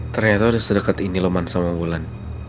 ternyata udah sedekat ini loman sama wulan